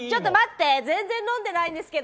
全然私飲んでないんですけど！